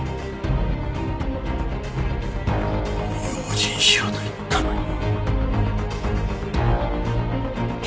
用心しろと言ったのに。